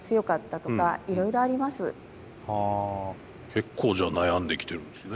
結構じゃあ悩んできてるんですね。